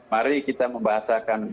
mari kita membahasakan